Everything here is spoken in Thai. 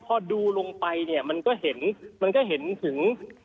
พอดูลงไปเนี่ยมันก็เห็นมันก็เห็นถึง